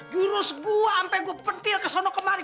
jurus gua sampe gua pentil kesana kemari